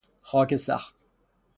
خاک سخت